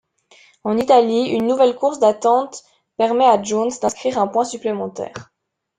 En Italie, une nouvelle course d'attente permet à Jones d'inscrire un point supplémentaire.